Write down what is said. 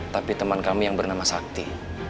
tapi teman kami yang bernama sakti